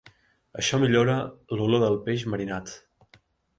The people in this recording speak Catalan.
Això millora l'olor del peix marinat.